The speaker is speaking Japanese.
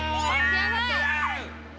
やばい。